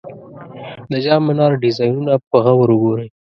د جام منار ډیزاینونه په غور وګورئ.